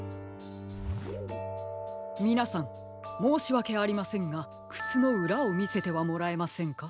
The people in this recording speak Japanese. みなさんもうしわけありませんがくつのうらをみせてはもらえませんか？